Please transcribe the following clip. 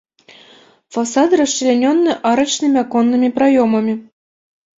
Фасады расчлянёны арачнымі аконнымі праёмамі.